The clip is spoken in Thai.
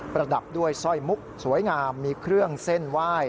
ระดับด้วยสร้อยมุกสวยงามมีเครื่องเส้นไหว้